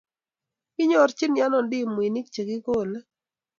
Kinyorchini ano ndimuinik che kikole